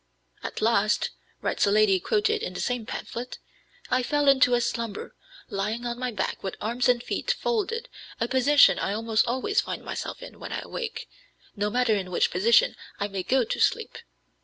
" "At last," writes a lady quoted in the same pamphlet, "I fell into a slumber, lying on my back with arms and feet folded, a position I almost always find myself in when I awake, no matter in which position I may go to sleep.